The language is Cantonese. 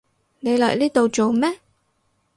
你嚟呢度做咩？